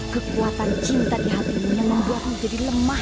kekuatan cinta di hatimu yang membuatku jadi lemah